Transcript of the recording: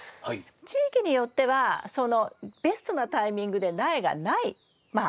地域によってはそのベストなタイミングで苗がないまあ